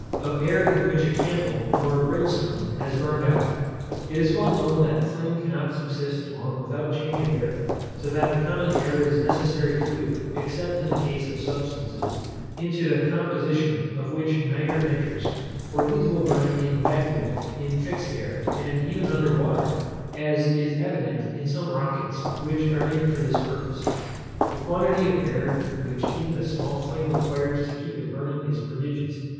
Of AIR in which a CANDLE, or BRIMSTONE, has burned out. It is well known that flame cannot subsist long without change of air, so that the common air is necessary to it, except in the case of substances, into the composition of which nitre enters, for these will burn in vacuo, in fixed air, and even under water, as is evident in some rockets, which are made for this purpose. The quantity of air which even a small flame requires to keep it burning is prodigious.